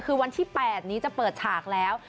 คือวันที่๘นี้จะเปิดฉากแล้ว